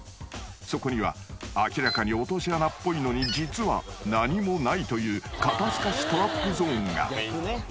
［そこには明らかに落とし穴っぽいのに実は何もないという肩透かしトラップゾーンが］